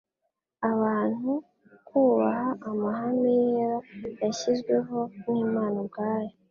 abantu kubaha amahame yera yashyizweho n'Imana ubwayo.